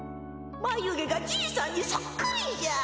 眉毛がじいさんにそっくりじゃ。